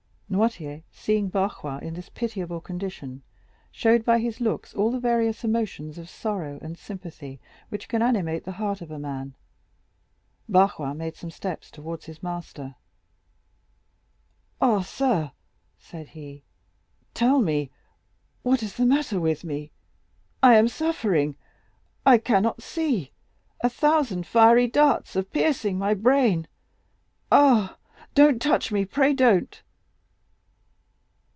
Noirtier, seeing Barrois in this pitiable condition, showed by his looks all the various emotions of sorrow and sympathy which can animate the heart of man. Barrois made some steps towards his master. "Ah, sir," said he, "tell me what is the matter with me. I am suffering—I cannot see. A thousand fiery darts are piercing my brain. Ah, don't touch me, pray don't."